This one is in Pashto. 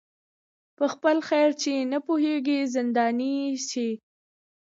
په خپل خیر چي نه پوهیږي زنداني سي